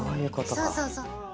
そうそうそう。